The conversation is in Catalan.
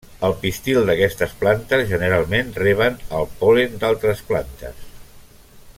El pistil d'aquestes plantes generalment reben el pol·len d'altres plantes.